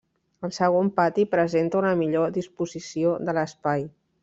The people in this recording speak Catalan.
Al segon pati presenta una millor disposició de l'espai.